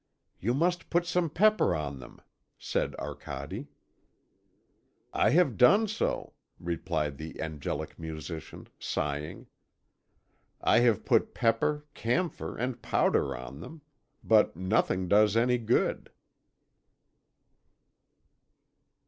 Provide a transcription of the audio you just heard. "You must put some pepper on them," said Arcade. "I have done so," replied the angelic musician, sighing. "I have put pepper, camphor, and powder on them. But nothing does any good."